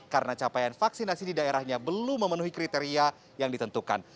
karena capaian vaksinasi di daerahnya belum memenuhi kriteria yang ditentukan